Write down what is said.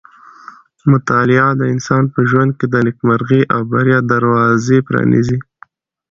مطالعه د انسان په ژوند کې د نېکمرغۍ او بریا دروازې پرانیزي.